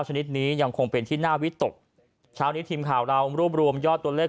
ชนิดนี้ยังคงเป็นที่น่าวิตกเช้านี้ทีมข่าวเรารวบรวมยอดตัวเลข